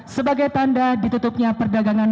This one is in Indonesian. sebagai tanda ditutupnya perdagangan